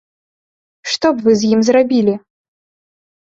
Што б вы з ім зрабілі?